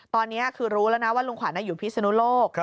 ตอนนี้คือรู้แล้วนะว่าลุงขวัญอยู่พิศนุโลก